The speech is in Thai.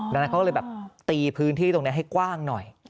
ดังนั้นเขาก็เลยแบบตีพื้นที่ตรงนี้ให้กว้างหน่อย